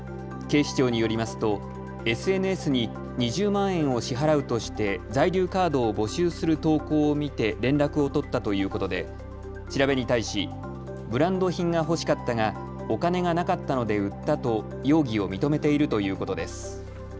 警視庁によりますとＳＮＳに２０万円を支払うとして在留カードを募集する投稿を見て連絡を取ったということで調べに対しブランド品が欲しかったがお金がなかったので売ったと容疑を認めているということです。